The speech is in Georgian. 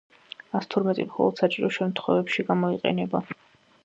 ასთორმეტი მხოლოდ საჭირო შემთხვევებში გამოიყენება